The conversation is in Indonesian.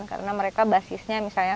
karena mereka basisnya misalnya